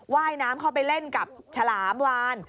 ว่ายน้ำเข้าไปเล่นกับฉลามวาน